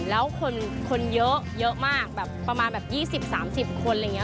แล้วคนเยอะมากแบบประมาณแบบ๒๐๓๐คนอะไรอย่างนี้